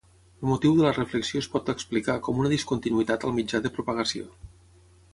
El motiu de la reflexió es pot explicar com una discontinuïtat al mitjà de propagació.